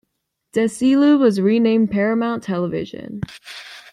Desilu was renamed Paramount Television.